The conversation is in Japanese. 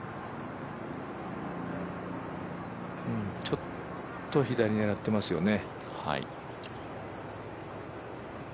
ちょっと左狙ってますよね。